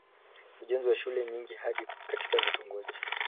ujenzi wa shule nyingi hadi katika vitongoji